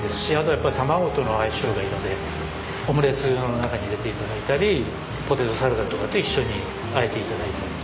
やっぱり卵との相性がいいのでオムレツの中に入れて頂いたりポテトサラダとかと一緒にあえて頂いても。